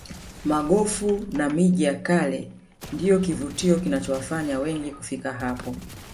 magofu na miji ya kale ndiyo kivutio kinachowafanya wengi kufika hapo